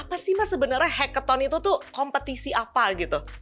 apa sih mas sebenarnya hacket tone itu tuh kompetisi apa gitu